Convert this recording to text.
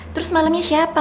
terus malemnya siapa